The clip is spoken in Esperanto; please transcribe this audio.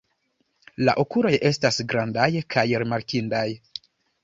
La okuloj estas grandaj kaj rimarkindaj.